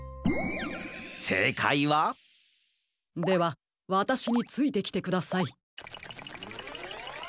せいかいは？ではわたしについてきてください。